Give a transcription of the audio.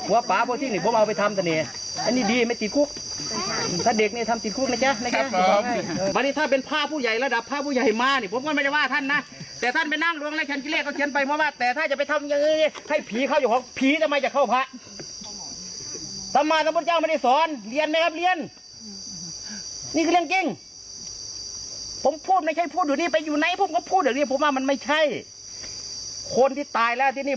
ผัพพวกทีเนี่ยผมเอาไปทำซะเนียอันนี้ดีไหมถ้าเด็กแน่ทำติด